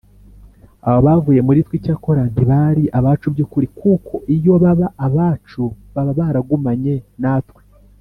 Abo bavuye muri twe, icyakora ntibari abacu by’ukuri, kuko iyo baba abacu baba baragumanye natwe